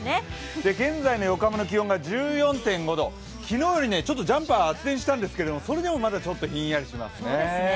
現在の横浜の気温が１４．５度、昨日よりジャンパー厚手にしたんですけどそれでもまだちょっとひんやりしますね。